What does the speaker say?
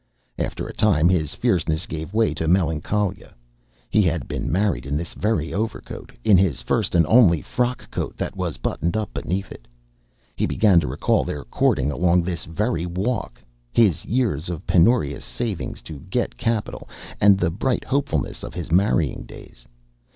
After a time his fierceness gave way to melancholia. He had been married in this very overcoat, in his first and only frock coat that was buttoned up beneath it. He began to recall their courting along this very walk, his years of penurious saving to get capital, and the bright hopefulness of his marrying days.